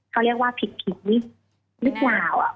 เขาเรียกว่าผิดพิษหรือกล่าว่ะ